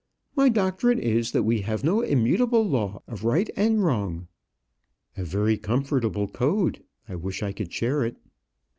My doctrine is, that we have no immutable law of right and wrong." "A very comfortable code. I wish I could share it."